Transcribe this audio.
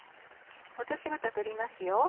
落としぶた取りますよ。